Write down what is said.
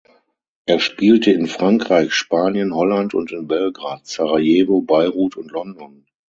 Er spielte in Frankreich, Spanien, Holland und in Belgrad, Sarajewo, Beirut und London.